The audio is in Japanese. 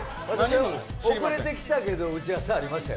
遅れてきたけど打ち合わせありましたよ。